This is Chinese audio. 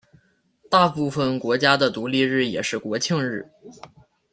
大部分国家的独立日也是国庆日。